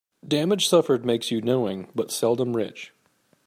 Damage suffered makes you knowing, but seldom rich.